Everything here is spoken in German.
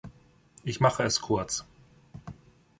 Ich mache es kurz.